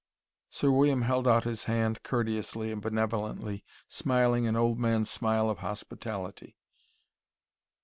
Sir William held out his hand courteously and benevolently, smiling an old man's smile of hospitality.